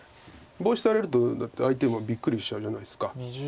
ボウシされるとだって相手もびっくりしちゃうじゃないですか。